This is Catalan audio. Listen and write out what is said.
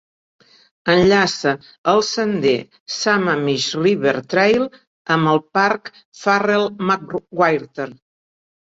Enllaça el sender Sammamish River Trail amb el parc Farrel-McWhirter.